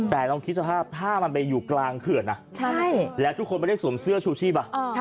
แต่ลองคิดสภาพถ้ามันไปอยู่กลางเขื่อนนะแล้วทุกคนไม่ได้สวมเสื้อชูชีพ